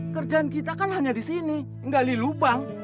kerjaan kita kan hanya di sini gali lubang